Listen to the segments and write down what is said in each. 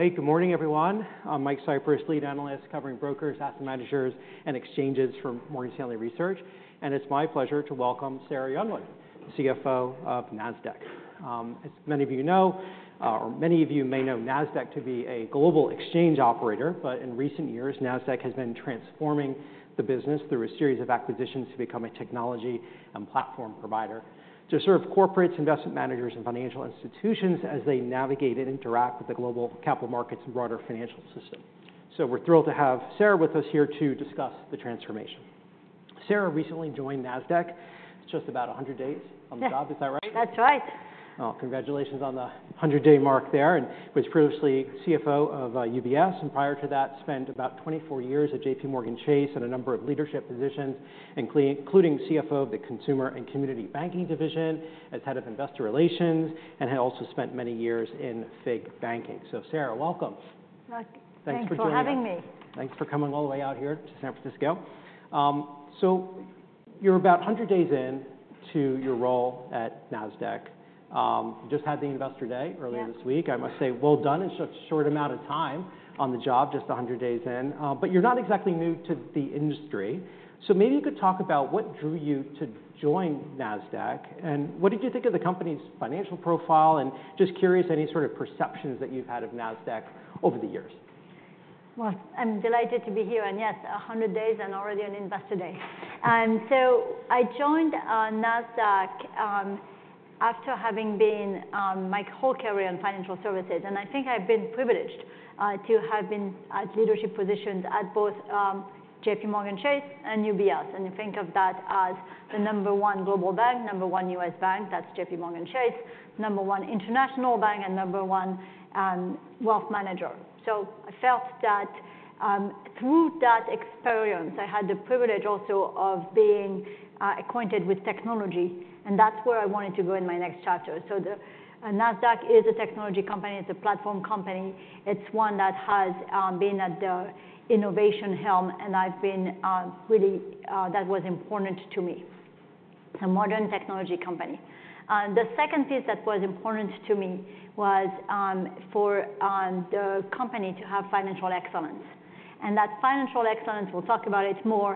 Hey, good morning, everyone. I'm Mike Cyprys, lead analyst covering brokers, asset managers, and exchanges for Morgan Stanley Research. It's my pleasure to welcome Sarah Youngwood, CFO of Nasdaq. As many of you know, or many of you may know, Nasdaq to be a global exchange operator, but in recent years, Nasdaq has been transforming the business through a series of acquisitions to become a technology and platform provider, to serve corporates, investment managers, and financial institutions as they navigate and interact with the global capital markets and broader financial system. So we're thrilled to have Sarah with us here to discuss the transformation. Sarah recently joined Nasdaq, just about 100 days on the job. Yeah. Is that right? That's right. Well, congratulations on the hundred-day mark there, and was previously CFO of UBS, and prior to that, spent about 24 years at JPMorgan Chase in a number of leadership positions, including CFO of the Consumer and Community Banking Division, as head of Investor Relations, and had also spent many years in FIG banking. So, Sarah, welcome. Welcome. Thanks for joining us. Thanks for having me. Thanks for coming all the way out here to San Francisco. You're about 100 days in to your role at Nasdaq. Just had the Investor Day earlier- Yeah this week. I must say, well done in such a short amount of time on the job, just 100 days in. But you're not exactly new to the industry. So maybe you could talk about what drew you to join Nasdaq, and what did you think of the company's financial profile, and just curious, any sort of perceptions that you've had of Nasdaq over the years? Well, I'm delighted to be here, and yes, 100 days and already an Investor Day. So I joined Nasdaq after having been my whole career in financial services, and I think I've been privileged to have been at leadership positions at both JPMorgan Chase and UBS. And you think of that as the number one global bank, number one U.S. bank, that's JPMorgan Chase, number one international bank, and number one wealth manager. So I felt that through that experience, I had the privilege also of being acquainted with technology, and that's where I wanted to go in my next chapter. So Nasdaq is a technology company, it's a platform company. It's one that has been at the innovation helm, and I've been really, that was important to me, a modern technology company. The second piece that was important to me was for the company to have financial excellence. That financial excellence, we'll talk about it more,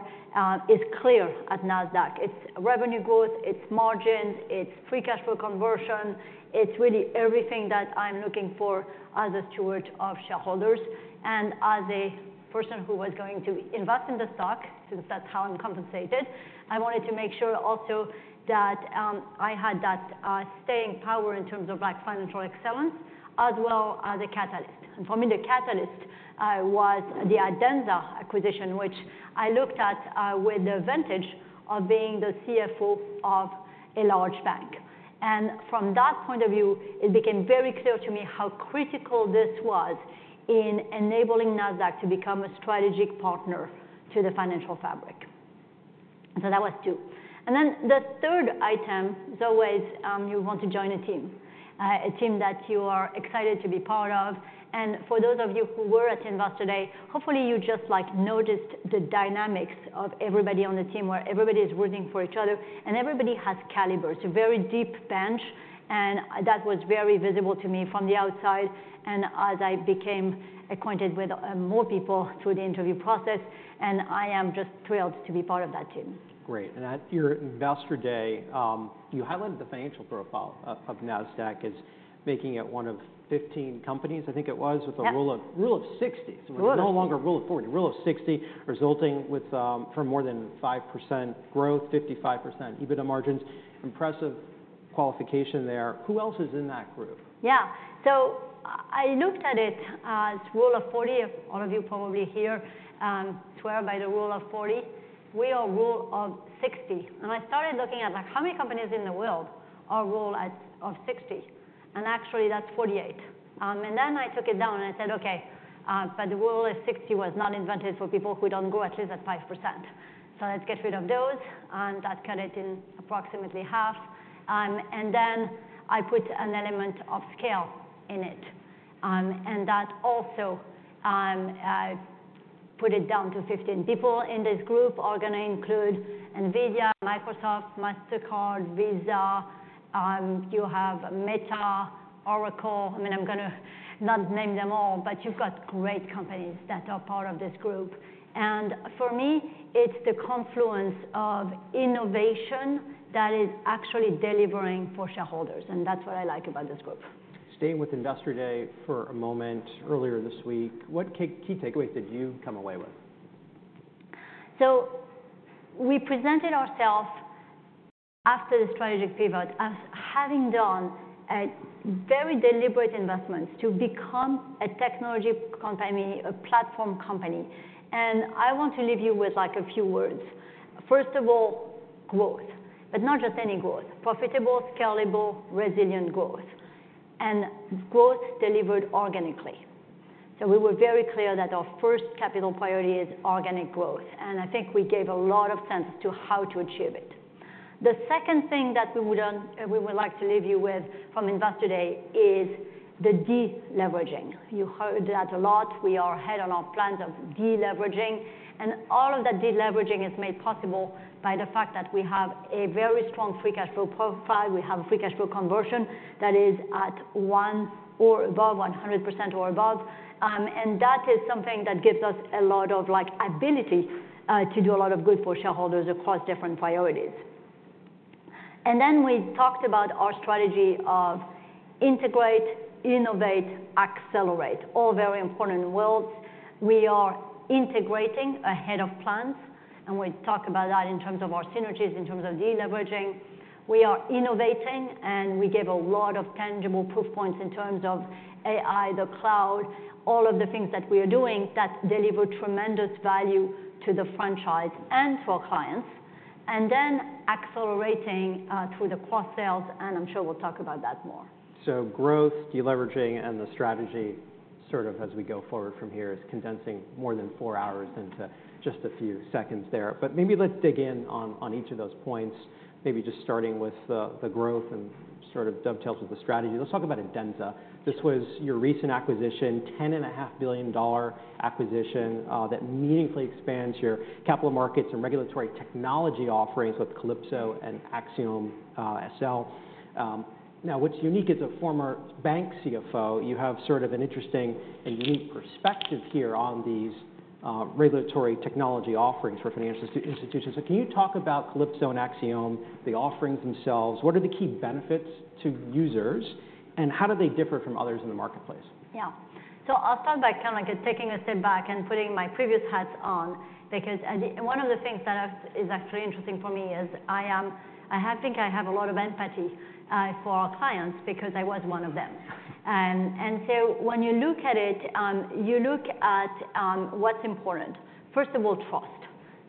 is clear at Nasdaq. It's revenue growth, it's margin, it's free cash flow conversion. It's really everything that I'm looking for as a steward of shareholders and as a person who was going to invest in the stock, since that's how I'm compensated. I wanted to make sure also that I had that staying power in terms of, like, financial excellence as well as a catalyst. For me, the catalyst was the Adenza acquisition, which I looked at with the advantage of being the CFO of a large bank. From that point of view, it became very clear to me how critical this was in enabling Nasdaq to become a strategic partner to the financial fabric. So that was two. And then the third item is always, you want to join a team, a team that you are excited to be part of. And for those of you who were at Investor Day, hopefully, you just, like, noticed the dynamics of everybody on the team, where everybody is rooting for each other and everybody has caliber. It's a very deep bench, and that was very visible to me from the outside and as I became acquainted with, more people through the interview process, and I am just thrilled to be part of that team. Great. And at your Investor Day, you highlighted the financial profile of Nasdaq as making it one of 15 companies, I think it was- Yeah... with a Rule of 60. Rule of 60. No longer Rule of 40, Rule of 60, resulting with for more than 5% growth, 55% EBITDA margins. Impressive qualification there. Who else is in that group? Yeah. So I looked at it as Rule of 40. All of you probably hear, swear by the Rule of 40. We are Rule of 60. And I started looking at, like, how many companies in the world are Rule of 60? And actually, that's 48. And then I took it down and I said: Okay, but the Rule of 60 was not invented for people who don't grow at least at 5%. So let's get rid of those, that cut it in approximately half. And then I put an element of scale in it, and that also put it down to 15. People in this group are gonna include NVIDIA, Microsoft, Mastercard, Visa, you have Meta, Oracle. I mean, I'm gonna not name them all, but you've got great companies that are part of this group. For me, it's the confluence of innovation that is actually delivering for shareholders, and that's what I like about this group. Staying with Investor Day for a moment earlier this week, what key, key takeaways did you come away with? So we presented ourselves after the strategic pivot as having done a very deliberate investment to become a technology company, a platform company. I want to leave you with, like, a few words. First of all, growth, but not just any growth. Profitable, scalable, resilient growth, and growth delivered organically. So we were very clear that our first capital priority is organic growth, and I think we gave a lot of sense to how to achieve it. The second thing that we would, we would like to leave you with from Investor Day is the deleveraging. You heard that a lot. We are ahead on our plans of deleveraging, and all of that deleveraging is made possible by the fact that we have a very strong free cash flow profile. We have a free cash flow conversion that is at 1 or above 100% or above. That is something that gives us a lot of, like, ability to do a lot of good for shareholders across different priorities. Then we talked about our strategy of integrate, innovate, accelerate, all very important words. We are integrating ahead of plans, and we talk about that in terms of our synergies, in terms of deleveraging. We are innovating, and we give a lot of tangible proof points in terms of AI, the cloud, all of the things that we are doing that deliver tremendous value to the franchise and for our clients. Then accelerating through the cross sales, and I'm sure we'll talk about that more. Growth, deleveraging, and the strategy, sort of as we go forward from here, is condensing more than four hours into just a few seconds there. But maybe let's dig in on each of those points. Maybe just starting with the growth and sort of dovetails with the strategy. Let's talk about Adenza. This was your recent acquisition, $10.5 billion acquisition, that meaningfully expands your capital markets and regulatory technology offerings with Calypso and AxiomSL. Now, what's unique, as a former bank CFO, you have sort of an interesting and unique perspective here on these regulatory technology offerings for financial institutions. So can you talk about Calypso and Axiom, the offerings themselves, what are the key benefits to users, and how do they differ from others in the marketplace? Yeah. So I'll start by kind of like taking a step back and putting my previous hats on, because one of the things that is actually interesting for me is I think I have a lot of empathy for our clients because I was one of them. And so when you look at it, you look at what's important. First of all, trust.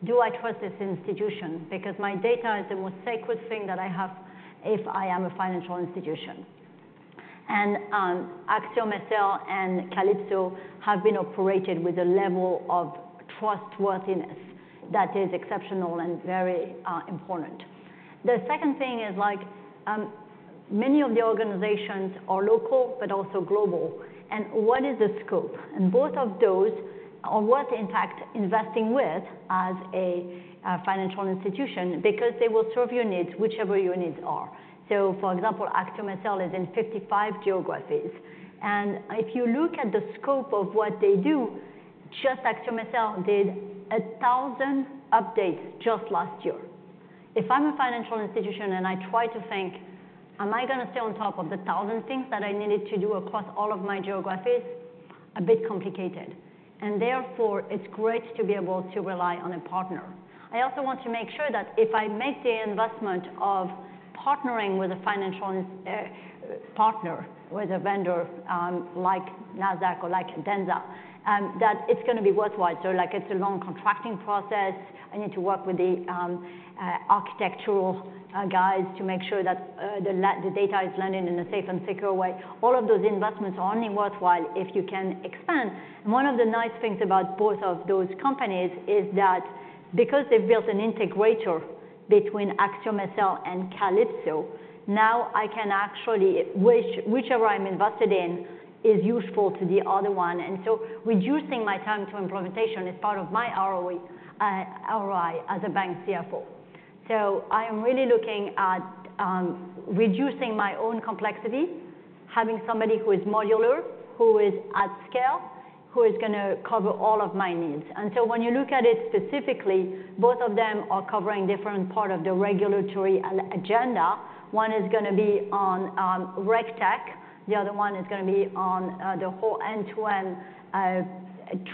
Do I trust this institution? Because my data is the most sacred thing that I have if I am a financial institution. And AxiomSL and Calypso have been operated with a level of trustworthiness that is exceptional and very important. The second thing is, like, many of the organizations are local but also global, and what is the scope? Both of those are worth, in fact, investing with as a financial institution because they will serve your needs, whichever your needs are. So for example, AxiomSL is in 55 geographies, and if you look at the scope of what they do, just AxiomSL did 1,000 updates just last year. If I'm a financial institution and I try to think, "Am I gonna stay on top of the 1,000 things that I needed to do across all of my geographies?" A bit complicated, and therefore, it's great to be able to rely on a partner. I also want to make sure that if I make the investment of partnering with a financial partner, with a vendor, like Nasdaq or like Adenza, that it's gonna be worthwhile. So, like, it's a long contracting process. I need to work with the architectural guys to make sure that the data is landing in a safe and secure way. All of those investments are only worthwhile if you can expand. One of the nice things about both of those companies is that because they've built an integrator between AxiomSL and Calypso, now I can actually whichever I'm invested in is useful to the other one, and so reducing my time to implementation is part of my ROE, ROI as a bank CFO. So I am really looking at reducing my own complexity, having somebody who is modular, who is at scale, who is gonna cover all of my needs. And so when you look at it specifically, both of them are covering different part of the regulatory agenda. One is gonna be on RegTech, the other one is gonna be on the whole end-to-end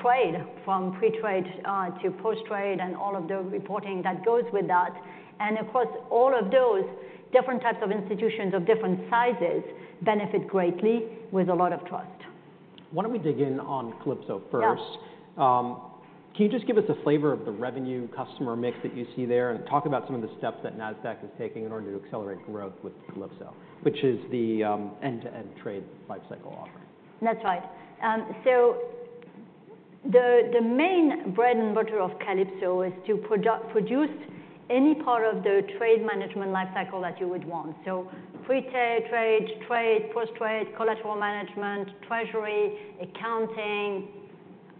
trade, from pre-trade to post-trade and all of the reporting that goes with that. And of course, all of those different types of institutions of different sizes benefit greatly with a lot of trust. Why don't we dig in on Calypso first? Yeah. Can you just give us a flavor of the revenue customer mix that you see there, and talk about some of the steps that Nasdaq is taking in order to accelerate growth with Calypso, which is the end-to-end trade life cycle offering? That's right. So the main bread and butter of Calypso is to produce any part of the trade management life cycle that you would want. So pre-trade, trade, post-trade, collateral management, treasury, accounting,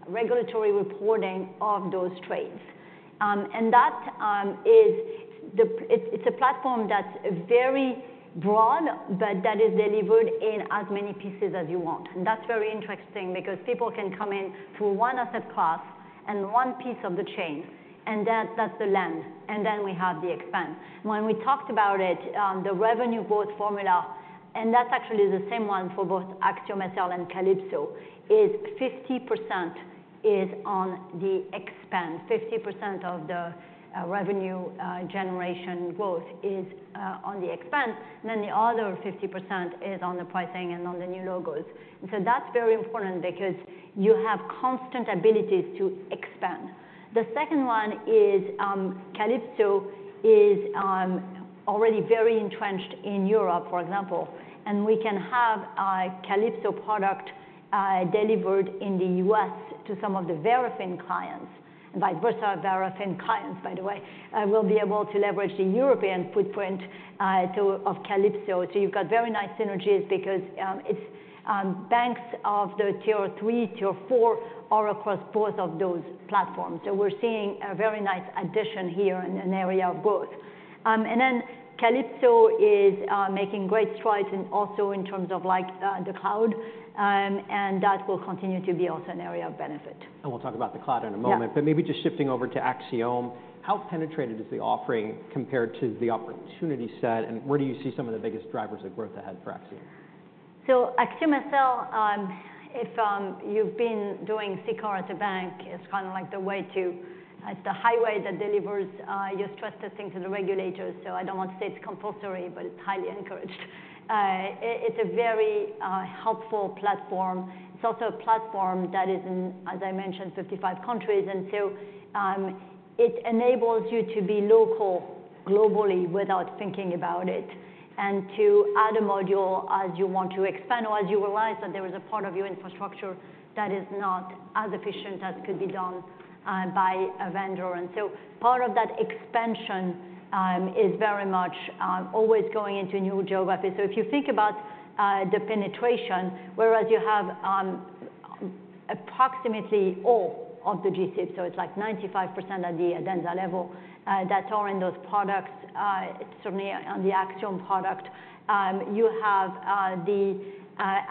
regulatory reporting of those trades. And that is. It's a platform that's very broad, but that is delivered in as many pieces as you want. And that's very interesting because people can come in through one asset class and one piece of the chain, and that's the land and expand. When we talked about it, the revenue growth formula, and that's actually the same one for both AxiomSL and Calypso, is 50% on the expansion. 50% of the revenue generation growth is on the expense, then the other 50% is on the pricing and on the new logos. So that's very important because you have constant abilities to expand. The second one is, Calypso is already very entrenched in Europe, for example, and we can have a Calypso product delivered in the U.S. to some of the Verafin clients, and Verafin, there are same clients, by the way, will be able to leverage the European footprint to of Calypso. So you've got very nice synergies because, it's banks of the Tier 3, Tier 4 are across both of those platforms. So we're seeing a very nice addition here in an area of growth. And then Calypso is making great strides in also in terms of like the cloud. And that will continue to be also an area of benefit. We'll talk about the cloud in a moment. Yeah. Maybe just shifting over to Axiom. How penetrated is the offering compared to the opportunity set, and where do you see some of the biggest drivers of growth ahead for Axiom? So AxiomSL, if you've been doing CCAR at a bank, it's kind of like the way to—it's the highway that delivers your stress testing to the regulators. So I don't want to say it's compulsory, but it's highly encouraged. It's a very helpful platform. It's also a platform that is in, as I mentioned, 55 countries. And so it enables you to be local, globally, without thinking about it, and to add a module as you want to expand or as you realize that there is a part of your infrastructure that is not as efficient as could be done by a vendor. And so part of that expansion is very much always going into new geographies. So if you think about the penetration, whereas you have approximately all of the GSIBs, so it's like 95% at the Adenza level that are in those products, certainly on the Axiom product, you have the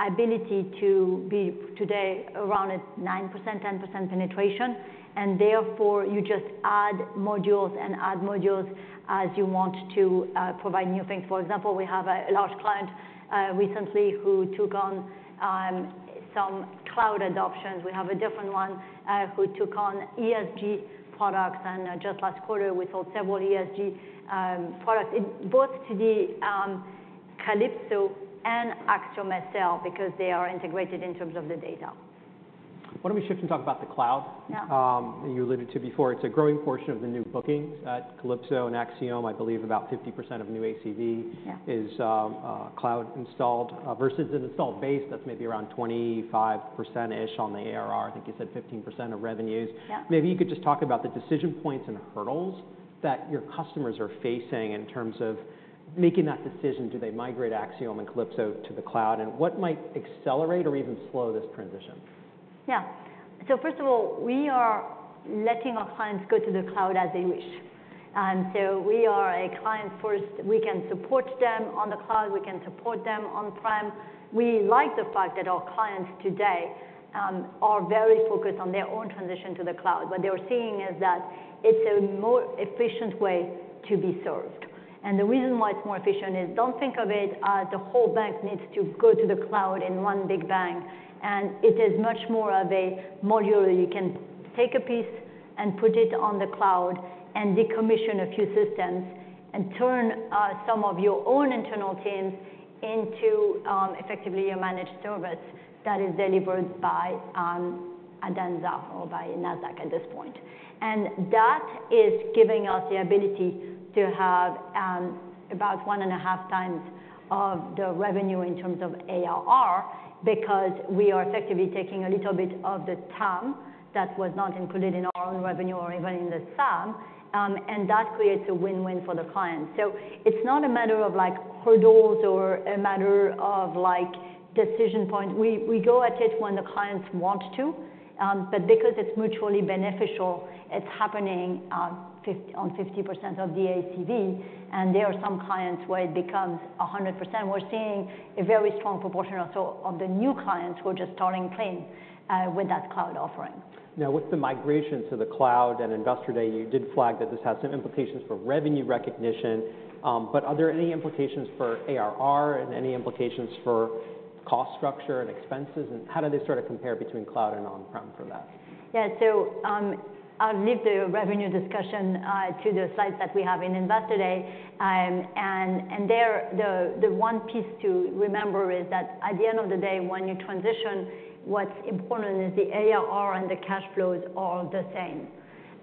ability to be today around at 9%, 10% penetration. And therefore, you just add modules and add modules as you want to provide new things. For example, we have a large client recently who took on some cloud adoptions. We have a different one who took on ESG products, and just last quarter, we sold several ESG products. It both to the Calypso and AxiomSL because they are integrated in terms of the data. Why don't we shift and talk about the cloud? Yeah. You alluded to before, it's a growing portion of the new bookings at Calypso and Axiom. I believe about 50% of new ACV- Yeah... is cloud installed versus an installed base that's maybe around 25%-ish on the ARR. I think you said 15% of revenues. Yeah. Maybe you could just talk about the decision points and hurdles that your customers are facing in terms of making that decision. Do they migrate Axiom and Calypso to the cloud? What might accelerate or even slow this transition? Yeah. So first of all, we are letting our clients go to the cloud as they wish. And so we are a client first. We can support them on the cloud, we can support them on-prem. We like the fact that our clients today are very focused on their own transition to the cloud. What they are seeing is that it's a more efficient way to be served. And the reason why it's more efficient is don't think of it as the whole bank needs to go to the cloud in one big bang, and it is much more of a module. You can take a piece and put it on the cloud and decommission a few systems, and turn some of your own internal teams into effectively your managed service that is delivered by Adenza or by Nasdaq at this point. That is giving us the ability to have about 1.5 times of the revenue in terms of ARR, because we are effectively taking a little bit of the TAM that was not included in our own revenue or even in the SAM, and that creates a win-win for the client. So it's not a matter of like hurdles or a matter of like decision point. We go at it when the clients want to, but because it's mutually beneficial, it's happening on 50% of the ACV, and there are some clients where it becomes 100%. We're seeing a very strong proportion or so of the new clients who are just starting clean with that cloud offering. Now, with the migration to the cloud and Investor Day, you did flag that this has some implications for revenue recognition. But are there any implications for ARR and any implications for cost structure and expenses, and how do they sort of compare between cloud and on-prem for that? Yeah. So, I'll leave the revenue discussion to the slides that we have in Investor Day. And there, the one piece to remember is that at the end of the day, when you transition, what's important is the ARR and the cash flows are the same.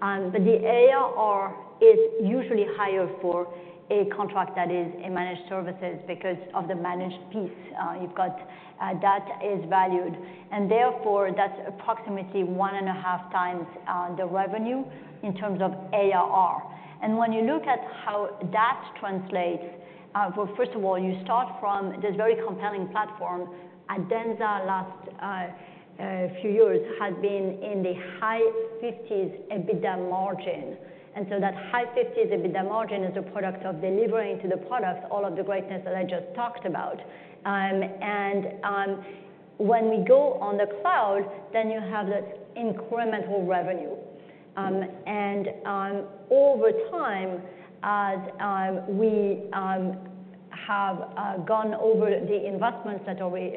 But the ARR is usually higher for a contract that is a managed services because of the managed piece, you've got, that is valued. And therefore, that's approximately 1.5 times the revenue in terms of ARR. And when you look at how that translates, well, first of all, you start from this very compelling platform. Adenza last few years has been in the high 50s EBITDA margin, and so that high 50s EBITDA margin is a product of delivering to the product, all of the greatness that I just talked about. When we go on the cloud, then you have this incremental revenue. Over time, as we have gone over the investments that were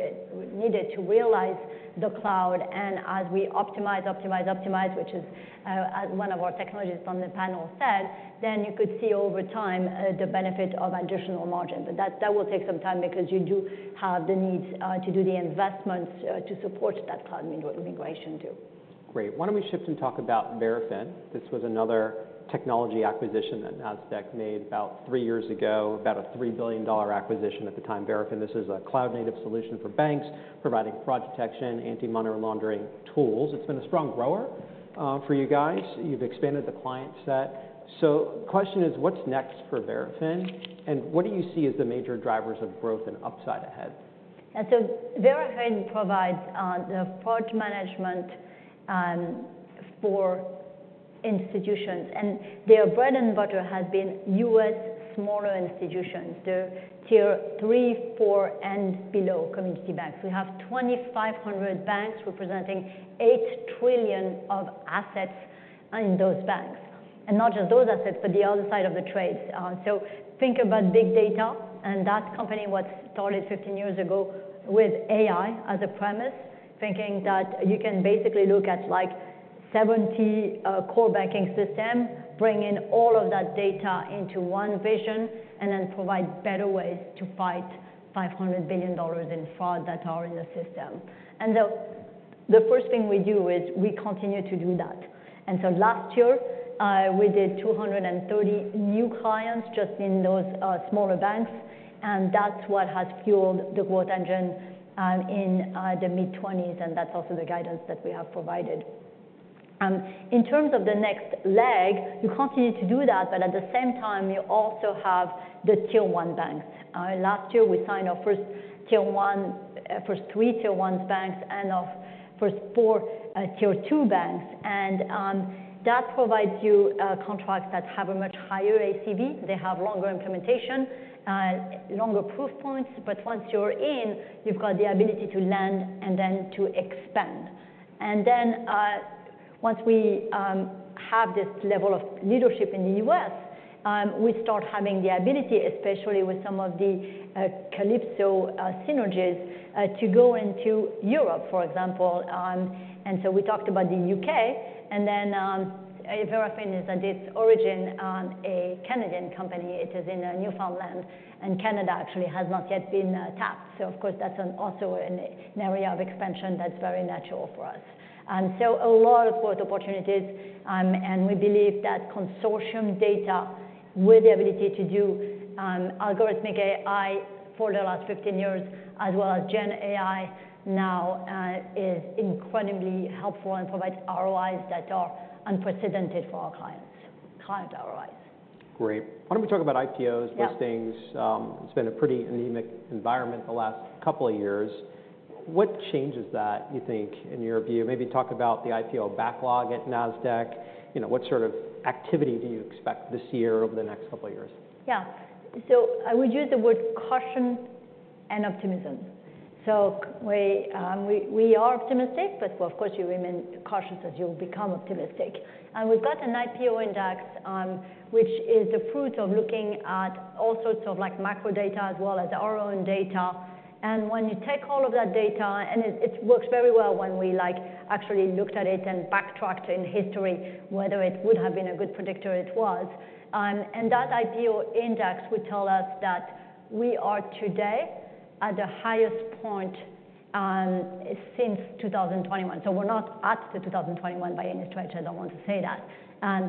needed to realize the cloud, and as we optimize, optimize, optimize, which is, as one of our technologists on the panel said, then you could see over time, the benefit of additional margin. But that will take some time because you do have the need to do the investments to support that cloud migration, too. Great! Why don't we shift and talk about Verafin? This was another technology acquisition that Nasdaq made about three years ago, about a $3 billion acquisition at the time. Verafin, this is a cloud-native solution for banks, providing fraud detection, anti-money laundering tools. It's been a strong grower for you guys. You've expanded the client set. So the question is, what's next for Verafin, and what do you see as the major drivers of growth and upside ahead? Verafin provides the fraud management for institutions, and their bread and butter has been U.S. smaller institutions, the Tier 3, Tier 4, and below community banks. We have 2,500 banks representing $8 trillion of assets in those banks, and not just those assets, but the other side of the trades. So think about big data, and that company was started 15 years ago with AI as a premise, thinking that you can basically look at, like, 70 core banking system, bring in all of that data into one vision, and then provide better ways to fight $500 billion in fraud that are in the system. The first thing we do is we continue to do that. Last year, we did 230 new clients just in those smaller banks, and that's what has fueled the growth engine in the mid-20s, and that's also the guidance that we have provided. In terms of the next leg, you continue to do that, but at the same time, you also have the Tier 1 banks. Last year, we signed our first three Tier 1 banks and our first four Tier 2 banks. That provides you contracts that have a much higher ACV. They have longer implementation, longer proof points, but once you're in, you've got the ability to lend and then to expand. And then, once we have this level of leadership in the U.S., we start having the ability, especially with some of the Calypso synergies, to go into Europe, for example. And so we talked about the U.K., and then, Verafin is at its origin, a Canadian company. It is in Newfoundland, and Canada actually has not yet been tapped. So of course, that's also an area of expansion that's very natural for us. And so a lot of growth opportunities, and we believe that consortium data with the ability to do algorithmic AI for the last 15 years, as well as Gen AI, now, is incredibly helpful and provides ROIs that are unprecedented for our clients, client ROIs. Great. Why don't we talk about IPOs- Yeah. Listings. It's been a pretty anemic environment the last couple of years. What changes that, you think, in your view? Maybe talk about the IPO backlog at Nasdaq. You know, what sort of activity do you expect this year over the next couple of years? Yeah. So I would use the word caution and optimism. So we, we are optimistic, but of course, you remain cautious as you become optimistic. And we've got an IPO index, which is the fruit of looking at all sorts of, like, macro data as well as our own data. And when you take all of that data... And it, it works very well when we like, actually looked at it and backtracked in history, whether it would have been a good predictor, it was. And that IPO index would tell us that we are today at the highest point since 2021. So we're not at the 2021 by any stretch, I don't want to say that.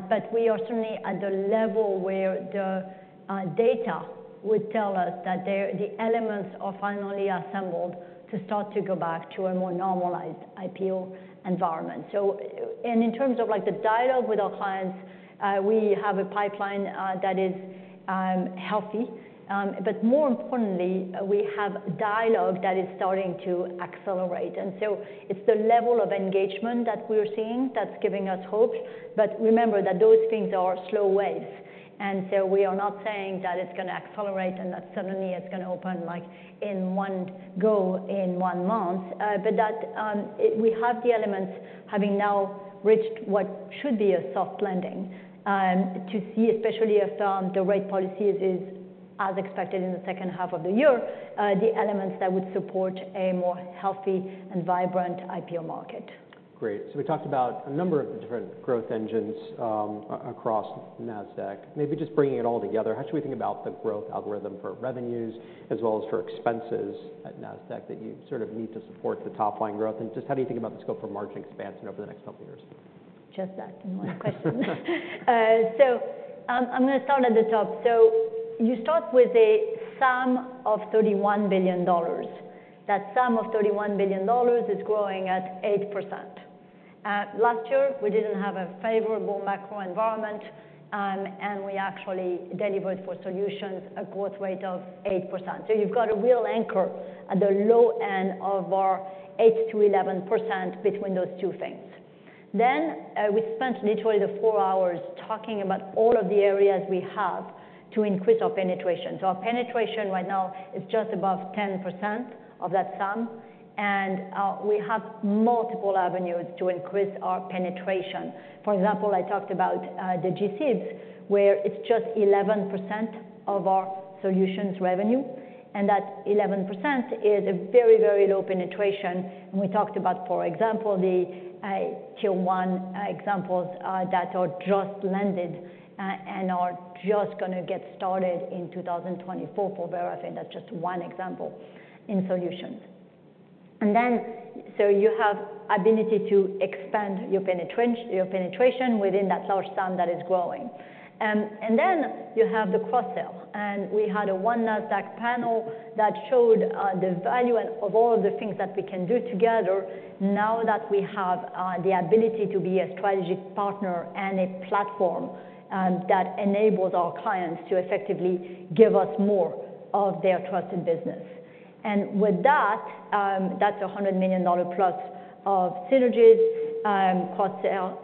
But we are certainly at the level where the data would tell us that the elements are finally assembled to start to go back to a more normalized IPO environment. So, in terms of, like, the dialogue with our clients, we have a pipeline that is healthy. But more importantly, we have dialogue that is starting to accelerate, and so it's the level of engagement that we're seeing that's giving us hope. But remember that those things are slow waves, and so we are not saying that it's going to accelerate and that suddenly it's going to open, like, in one go, in one month. But we have the elements having now reached what should be a soft landing to see, especially if the rate policy is as expected in the second half of the year, the elements that would support a more healthy and vibrant IPO market. Great. So we talked about a number of different growth engines, across Nasdaq. Maybe just bringing it all together, how should we think about the growth algorithm for revenues as well as for expenses at Nasdaq, that you sort of need to support the top-line growth? And just how do you think about the scope for margin expansion over the next couple of years? Just that in one question. So, I'm going to start at the top. So you start with a sum of $31 billion. That sum of $31 billion is growing at 8%. Last year, we didn't have a favorable macro environment, and we actually delivered for solutions a growth rate of 8%. So you've got a real anchor at the low end of our 8%-11% between those two things. Then, we spent literally the four hours talking about all of the areas we have to increase our penetration. So our penetration right now is just above 10% of that sum, and we have multiple avenues to increase our penetration. For example, I talked about the GSIBs, where it's just 11% of our solutions revenue, and that 11% is a very, very low penetration. We talked about, for example, the Tier 1 examples that are just landed and are just gonna get started in 2024 for Verafin. That's just one example in solutions. Then you have the ability to expand your penetration within that large sum that is growing. And then you have the cross-sell, and we had a Nasdaq panel that showed the value of all the things that we can do together now that we have the ability to be a strategic partner and a platform that enables our clients to effectively give us more of their trusted business. And with that, that's $100 million plus of synergies, cross-sell.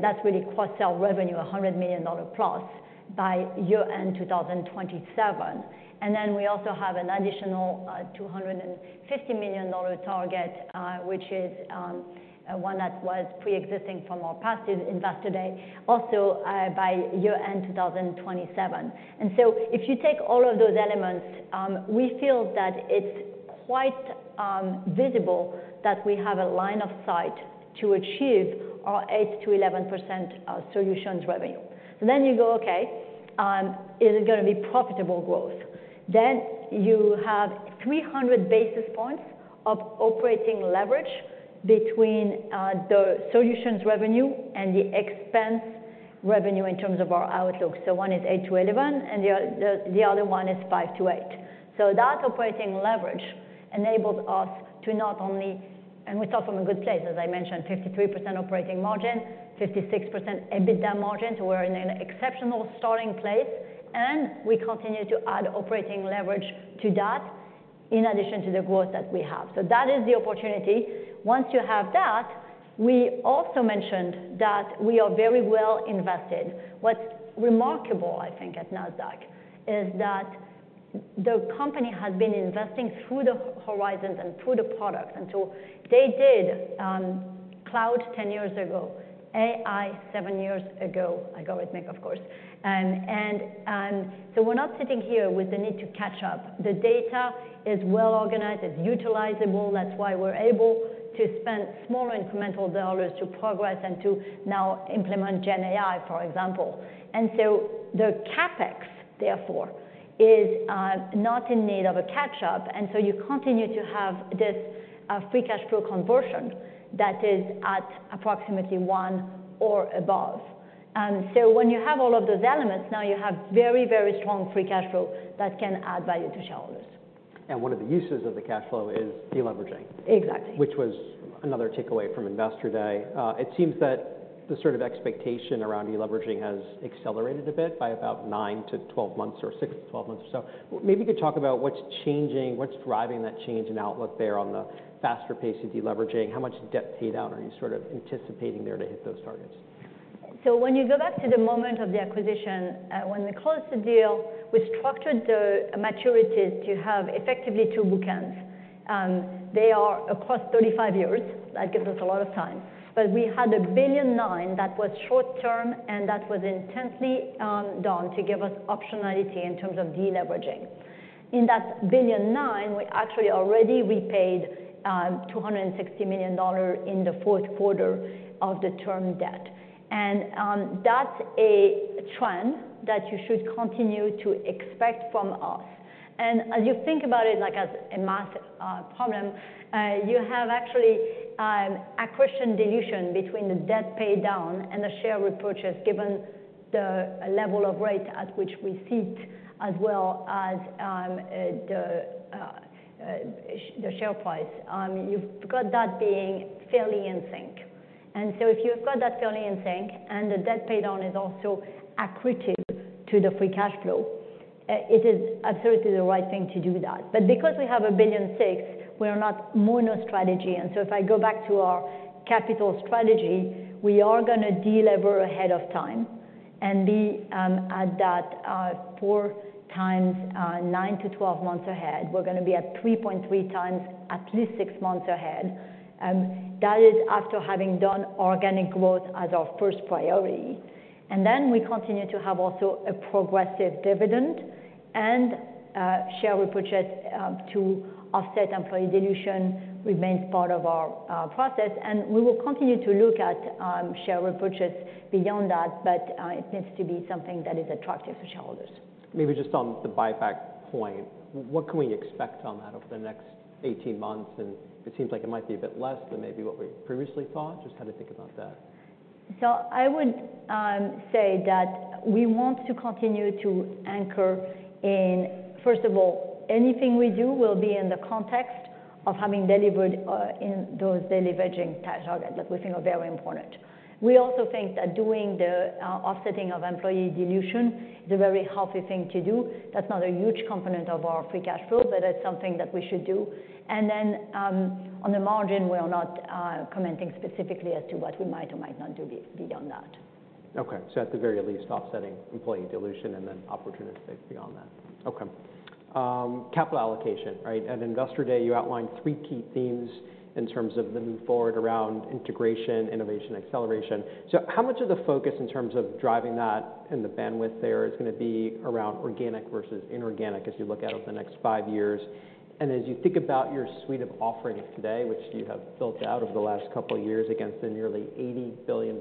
That's really cross-sell revenue, $100 million plus by year-end 2027. And then we also have an additional $250 million target, which is one that was pre-existing from our past Investor Day, also by year-end 2027. And so if you take all of those elements, we feel that it's quite visible that we have a line of sight to achieve our 8%-11% solutions revenue. Then you go, "Okay, is it gonna be profitable growth?" Then you have 300 basis points of operating leverage between the solutions revenue and the expense revenue in terms of our outlook. So one is 8%-11%, and the other one is 5%-8%. So that operating leverage enables us to not only... We start from a good place, as I mentioned, 53% operating margin, 56% EBITDA margin, so we're in an exceptional starting place, and we continue to add operating leverage to that, in addition to the growth that we have. So that is the opportunity. Once you have that, we also mentioned that we are very well invested. What's remarkable, I think, at Nasdaq, is that the company has been investing through the Horizons and through the products. And so they did cloud 10 years ago, AI 7 years ago, algorithmic, of course. And so we're not sitting here with the need to catch up. The data is well organized, it's utilizable. That's why we're able to spend small incremental dollars to progress and to now implement GenAI, for example. And so the CapEx, therefore, is not in need of a catch-up, and so you continue to have this free cash flow conversion that is at approximately one or above. And so when you have all of those elements, now you have very, very strong free cash flow that can add value to shareholders. One of the uses of the cash flow is deleveraging. Exactly. Which was another takeaway from Investor Day. It seems that the sort of expectation around deleveraging has accelerated a bit by about 9-12 months or 6-12 months or so. Maybe you could talk about what's changing, what's driving that change in outlook there on the faster pace of deleveraging. How much debt paid down are you sort of anticipating there to hit those targets? So when you go back to the moment of the acquisition, when we closed the deal, we structured the maturities to have effectively two bookends. They are across 35 years, that gives us a lot of time, but we had a $1.9 billion that was short term, and that was intensely done to give us optionality in terms of deleveraging. In that $1.9 billion, we actually already repaid $260 million in the fourth quarter of the term debt. And that's a trend that you should continue to expect from us. And as you think about it, like as a math problem, you have actually accretion dilution between the debt paid down and the share repurchase, given the level of rate at which we sit, as well as the share price. You've got that being fairly in sync. And so if you've got that fairly in sync, and the debt paid down is also accretive to the free cash flow, it is absolutely the right thing to do that. But because we have $1.6 billion, we are not mono strategy. And so if I go back to our capital strategy, we are gonna delever ahead of time and be, at that, 4x, 9-12 months ahead. We're gonna be at 3.3x at least 6 months ahead. That is after having done organic growth as our first priority. And then we continue to have also a progressive dividend and share repurchase to offset employee dilution remains part of our process, and we will continue to look at share repurchases beyond that, but it needs to be something that is attractive for shareholders. Maybe just on the buyback point, what can we expect on that over the next 18 months? It seems like it might be a bit less than maybe what we previously thought. Just how to think about that? So I would say that we want to continue to anchor in... First of all, anything we do will be in the context of having delivered in those deleveraging targets that we think are very important. We also think that doing the offsetting of employee dilution is a very healthy thing to do. That's not a huge component of our free cash flow, but it's something that we should do. And then on the margin, we are not commenting specifically as to what we might or might not do beyond that. Okay. So at the very least, offsetting employee dilution and then opportunistic beyond that. Okay. Capital allocation, right? At Investor Day, you outlined three key themes in terms of the move forward around integration, innovation, acceleration. So how much of the focus in terms of driving that and the bandwidth there is gonna be around organic versus inorganic as you look out over the next five years? And as you think about your suite of offerings today, which you have built out over the last couple of years against the nearly $80 billion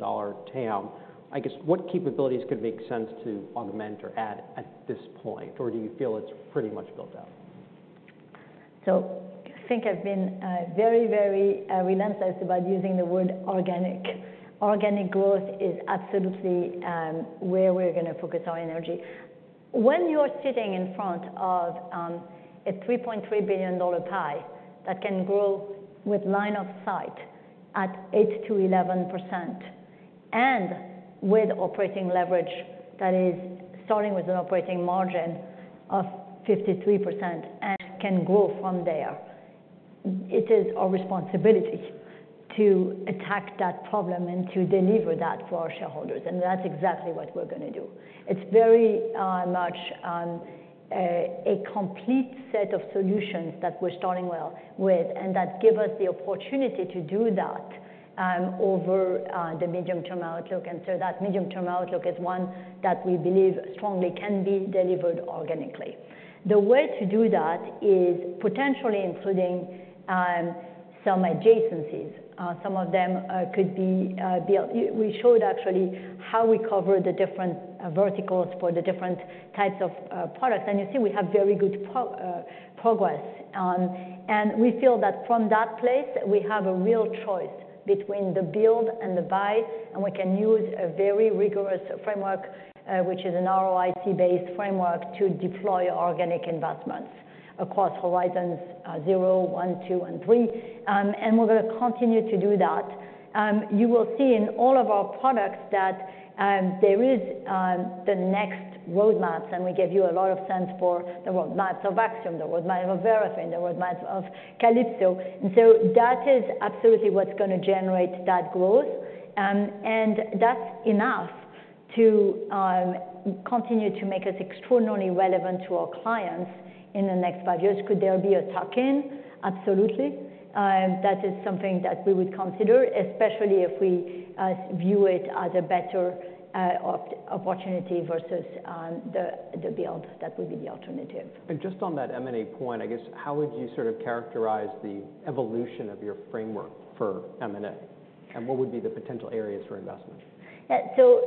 TAM, I guess, what capabilities could make sense to augment or add at this point? Or do you feel it's pretty much built out? So I think I've been very, very relentless about using the word organic. Organic growth is absolutely where we're gonna focus our energy. When you're sitting in front of a $3.3 billion pie that can grow with line of sight at 8%-11%, and with operating leverage that is starting with an operating margin of 53% and can grow from there, it is our responsibility to attack that problem and to deliver that for our shareholders, and that's exactly what we're gonna do. It's very much a complete set of solutions that we're starting well with, and that give us the opportunity to do that over the medium-term outlook. And so that medium-term outlook is one that we believe strongly can be delivered organically. The way to do that is potentially including some adjacencies. Some of them could be built. We showed actually how we cover the different verticals for the different types of products, and you see we have very good progress. We feel that from that place, we have a real choice between the build and the buy, and we can use a very rigorous framework, which is an ROIC-based framework, to deploy organic investments across Horizons 0, 1, 2, and 3. We're gonna continue to do that. You will see in all of our products that there is the next roadmaps, and we gave you a lot of sense for the roadmaps of Axiom, the roadmap of Verafin, the roadmaps of Calypso. So that is absolutely what's gonna generate that growth. That's enough to continue to make us extraordinarily relevant to our clients in the next five years. Could there be a tuck-in? Absolutely. That is something that we would consider, especially if we view it as a better opportunity versus the build that would be the alternative. Just on that M&A point, I guess, how would you sort of characterize the evolution of your framework for M&A? What would be the potential areas for investment? Yeah, so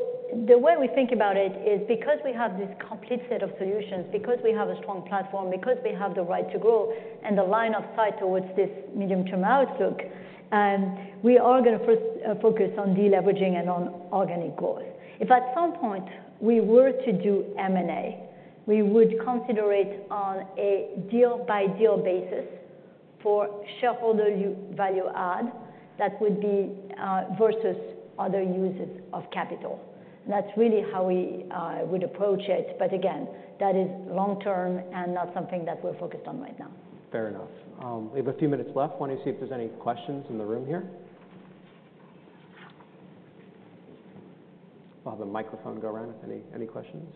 the way we think about it is because we have this complete set of solutions, because we have a strong platform, because we have the right to grow and the line of sight towards this medium-term outlook, we are gonna first focus on deleveraging and on organic growth. If at some point we were to do M&A, we would consider it on a deal-by-deal basis for shareholder value add that would be versus other uses of capital. That's really how we would approach it. But again, that is long-term and not something that we're focused on right now. Fair enough. We have a few minutes left. Want to see if there's any questions in the room here. We'll have the microphone go around. Any, any questions?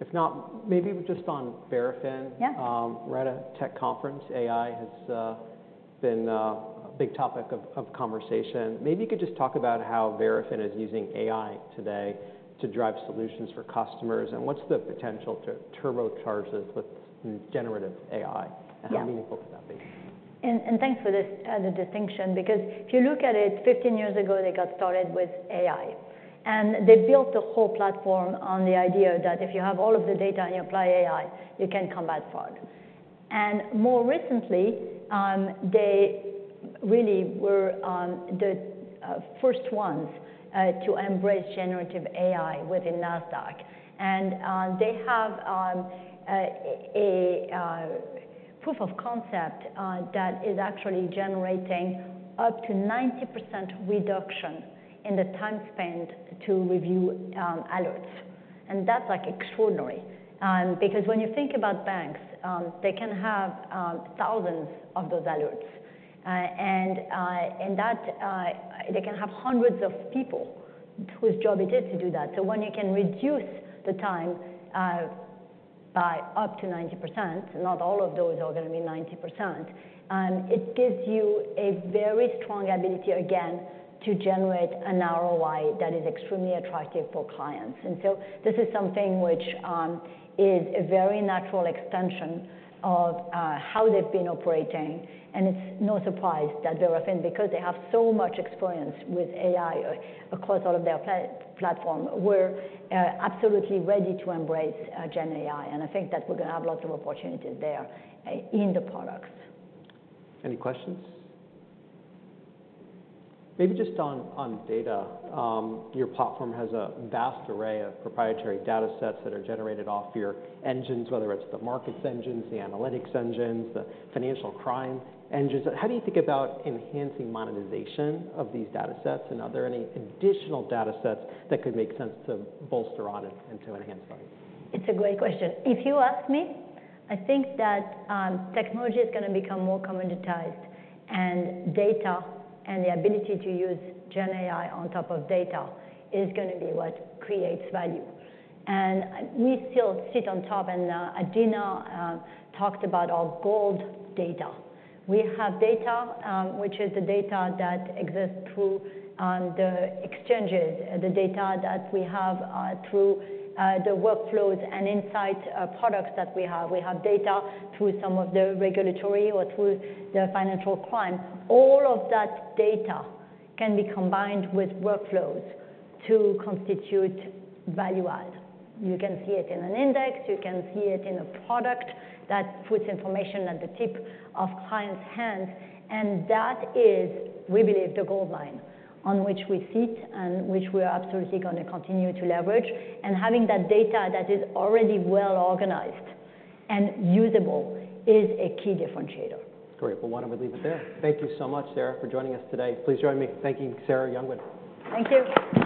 If not, maybe just on Verafin. Yeah. We're at a tech conference. AI has been a big topic of conversation. Maybe you could just talk about how Verafin is using AI today to drive solutions for customers, and what's the potential to turbocharge this with generative AI? Yeah. And how meaningful could that be? Thanks for this, the distinction, because if you look at it, 15 years ago, they got started with AI, and they built the whole platform on the idea that if you have all of the data and you apply AI, you can combat fraud. And more recently, they really were the first ones to embrace generative AI within Nasdaq. And they have a proof of concept that is actually generating up to 90% reduction in the time spent to review alerts. And that's, like, extraordinary, because when you think about banks, they can have thousands of those alerts. And they can have hundreds of people whose job it is to do that. So when you can reduce the time by up to 90%, not all of those are gonna be 90%, it gives you a very strong ability, again, to generate an ROI that is extremely attractive for clients. And so this is something which is a very natural extension of how they've been operating, and it's no surprise that Verafin, because they have so much experience with AI across all of their platform, were absolutely ready to embrace GenAI. And I think that we're gonna have lots of opportunities there in the products. Any questions? Maybe just on, on data. Your platform has a vast array of proprietary data sets that are generated off your engines, whether it's the markets engines, the analytics engines, the financial crime engines. How do you think about enhancing monetization of these data sets, and are there any additional data sets that could make sense to bolster on it and to enhance value? It's a great question. If you ask me, I think that technology is gonna become more commoditized, and data and the ability to use Gen AI on top of data is gonna be what creates value. And we still sit on top, and Adena talked about our gold data. We have data which is the data that exists through the exchanges, the data that we have through the workflows and insight products that we have. We have data through some of the regulatory or through the financial crime. All of that data can be combined with workflows to constitute value add. You can see it in an index, you can see it in a product that puts information at the tip of clients' hands, and that is, we believe, the goldmine on which we sit and which we are absolutely gonna continue to leverage. Having that data that is already well-organized and usable is a key differentiator. Great. Well, why don't we leave it there? Thank you so much, Sarah, for joining us today. Please join me in thanking Sarah Youngwood. Thank you.